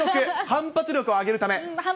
反発力を上げるため。